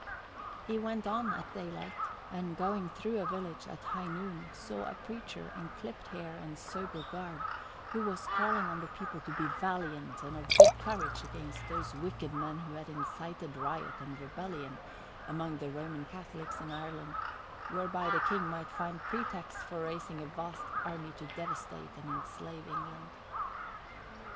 He went on at daylight, and going through a village at high noon saw a preacher in clipped hair and sober garb, who was calling on the people to be valiant and of good courage against those wicked men who had incited riot and rebellion among the Roman Catholics in Ireland, whereby the King might find pretext for raising a vast army to devastate and enslave England.